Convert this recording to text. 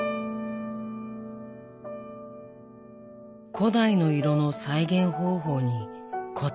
古代の色の再現方法に答えはない。